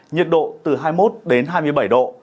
nhiệt độ từ hai mươi một đến hai mươi bảy độ